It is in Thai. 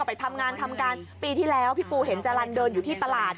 ไปทำงานทำการปีที่แล้วพี่ปูเห็นจารันเดินอยู่ที่ตลาด